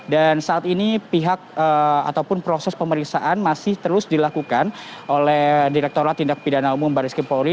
dan saat ini pihak ataupun proses pemeriksaan masih terus dilakukan oleh direkturat tindak pidana umum barres vimpori